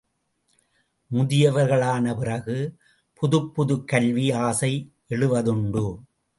முதியவர்களான பிறகு, புதுப்புதுக் கல்வி ஆசை எழுவதுண்டு.